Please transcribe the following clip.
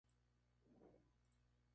En ella interpreta a Mateo.